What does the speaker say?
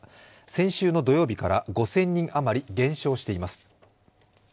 先週の土曜日から５０００人余り減少しています。